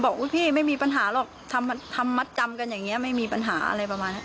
อุ๊ยพี่ไม่มีปัญหาหรอกทำมัดจำกันอย่างนี้ไม่มีปัญหาอะไรประมาณนี้